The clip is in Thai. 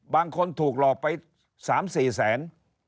บางคนถูกหลอกไป๓๔แสน